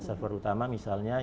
server utama misalnya yang di bawah